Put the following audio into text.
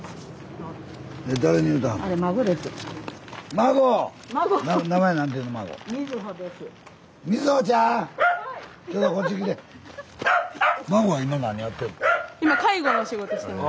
孫は今何やってんの？